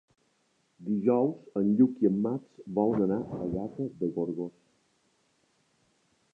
Dijous en Lluc i en Max volen anar a Gata de Gorgos.